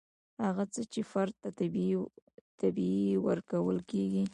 هغه څه چې فرد ته طبیعي ورکول کیږي.